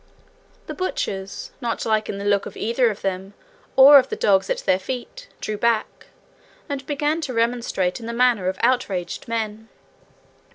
The butchers, not liking the look of either of them or of the dogs at their feet, drew back, and began to remonstrate in the manner of outraged men.